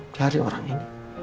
cari orang ini